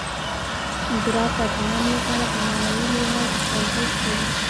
زراعت د افغانانو لپاره په معنوي لحاظ ارزښت لري.